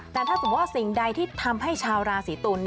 แต่ถ้าสมมุติว่าสิ่งใดที่ทำให้ชาวราศีตุล